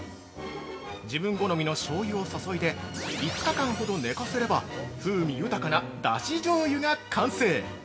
自分好みのしょうゆを注いで５日間ほど寝かせれば風味豊かなだしじょうゆが完成！